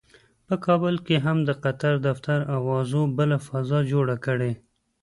په کابل کې هم د قطر دفتر اوازو بله فضا جوړه کړې.